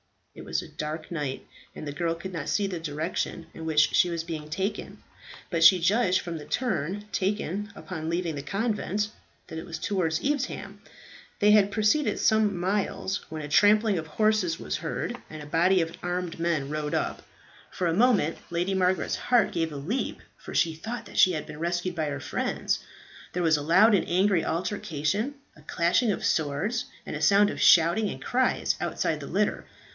It was a dark night, and the girl could not see the direction in which she was being taken; but she judged from the turn taken upon leaving the convent, that it was towards Evesham. They had proceeded some miles, when a trampling of horses was heard, and a body of armed men rode up. For a moment Lady Margaret's heart gave a leap, for she thought that she had been rescued by her friends. There was a loud and angry altercation, a clashing of swords, and a sound of shouting and cries outside the litter.